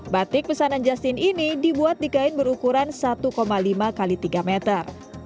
batik pesanan justin ini dibuat di kain berukuran satu lima x tiga meter